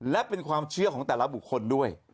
และเป็นความเชื่อของแต่ละบุคคลด้วย